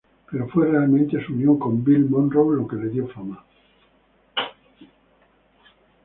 Pero fue realmente su unión con Bill Monroe lo que le dio fama.